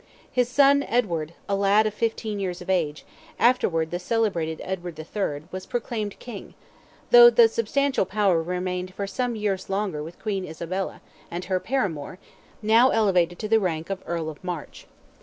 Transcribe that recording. His son, Edward, a lad of fifteen years of age, afterwards the celebrated Edward III., was proclaimed King, though the substantial power remained for some years longer with Queen Isabella, and her paramour, now elevated to the rank of Earl of March.